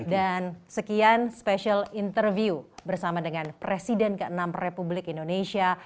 dan sekian special interview bersama dengan presiden ke enam republik indonesia